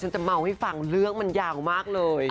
จะเมาให้ฟังเรื่องมันยาวมากเลย